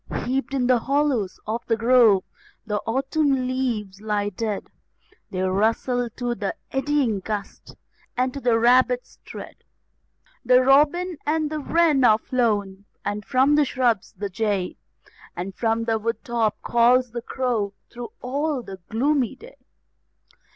Heaped in the hollows of the grove, the autumn leaves lie dead; They rustle to the eddying gust, and to the rabbit's tread. The robin and the wren are flown, and from the shrubs, the jay, And from the wood top calls the crow through all the gloomy day.